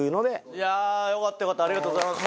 いやよかったよかったありがとうございます。